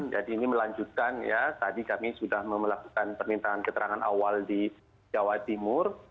ini melanjutkan ya tadi kami sudah melakukan permintaan keterangan awal di jawa timur